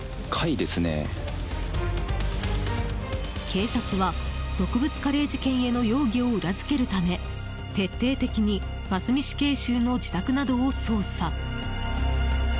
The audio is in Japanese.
警察は毒物カレー事件への容疑を裏付けるため徹底的に真須美死刑囚の自宅などを捜査。